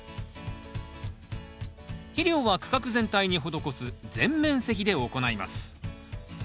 肥料は区画全体に施す全面施肥で行います。